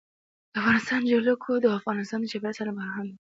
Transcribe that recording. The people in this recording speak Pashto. د افغانستان جلکو د افغانستان د چاپیریال ساتنې لپاره مهم دي.